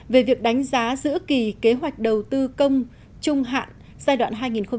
về việc đánh giá giữa kỳ kế hoạch đầu tư công trung hạn giai đoạn hai nghìn một mươi sáu hai nghìn hai mươi